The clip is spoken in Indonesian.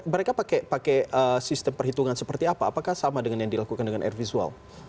mereka pakai sistem perhitungan seperti apa apakah sama dengan yang dilakukan dengan air visual